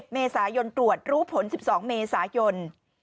เมษายนตรวจรู้ผล๑๒เมษายน